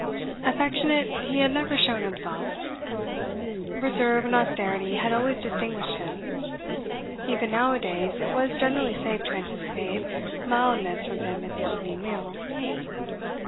Affectionate he had never shown himself; reserve and austerity had always distinguished him. Even now a days, it was generally safe to anticipate mildness from him at the evening meal.